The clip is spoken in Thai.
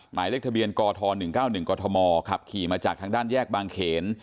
หมายเลขทะเบียนกท๑๙๑กธมขับขี่มาจากทางด้านแยกบางเขน